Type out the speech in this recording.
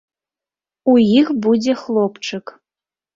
У іх будзе хлопчык.